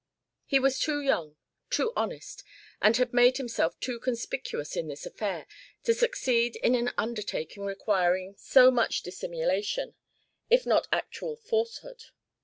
He was too young, too honest, and had made himself too conspicuous in this affair to succeed in an undertaking requiring so much dissimulation, if not actual falsehood.